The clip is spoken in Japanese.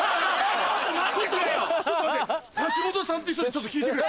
ハシモトさんって人にちょっと聞いて来る。